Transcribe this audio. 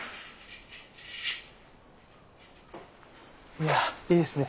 いやいいですね